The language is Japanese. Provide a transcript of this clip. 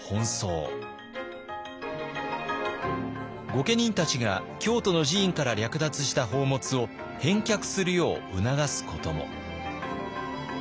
御家人たちが京都の寺院から略奪した宝物を返却するよう促すことも。